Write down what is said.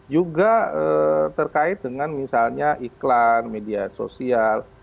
juga terkait dengan misalnya iklan media sosial